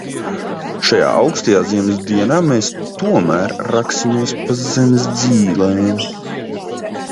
Šajā aukstajā ziemas dienā mēs tomēr raksimies pa zemes dzīlēm.